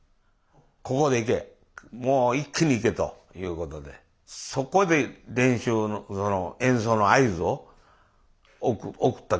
ここで行けもう一気に行けということでそこで演奏の合図を送った。